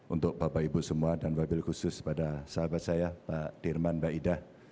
untuk bapak ibu semua dan wakil khusus pada sahabat saya pak dirman mbak ida